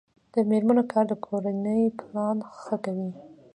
د میرمنو کار د کورنۍ پلان ښه کوي.